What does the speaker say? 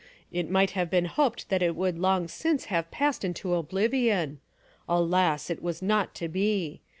It might have been hoped that it would long since have passed into oblivion. Alas, it was not to be.